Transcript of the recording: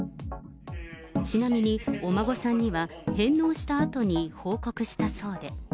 ちなみにお孫さんには、返納したあとに報告したそうで。